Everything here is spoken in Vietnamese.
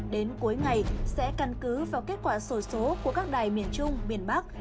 đến cuối ngày sẽ căn cứ vào kết quả sổ số của các đài miền trung miền bắc